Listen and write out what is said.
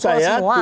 tidak maksud saya